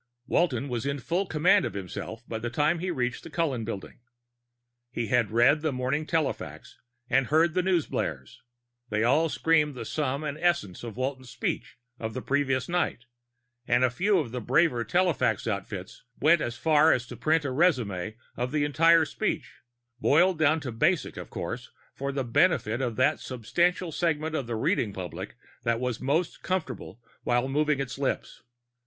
Walton was in full command of himself by the time he reached the Cullen Building. He had read the morning telefax and heard the newsblares: they all screamed the sum and essence of Walton's speech of the previous night, and a few of the braver telefax outfits went as far as printing a resumé of the entire speech, boiled down to Basic, of course, for benefit of that substantial segment of the reading public that was most comfortable while moving its lips.